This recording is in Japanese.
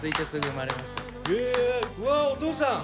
うわあお父さん！